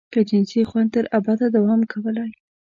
که جنسي خوند تر ابده دوام کولای.